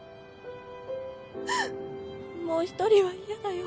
もう一人は嫌だよ。